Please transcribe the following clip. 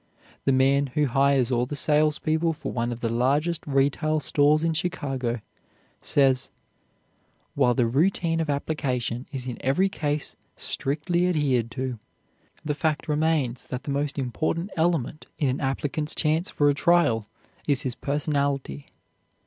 The man who hires all the salespeople for one of the largest retail stores in Chicago says: "While the routine of application is in every case strictly adhered to, the fact remains that the most important element in an applicant's chance for a trial is his personality."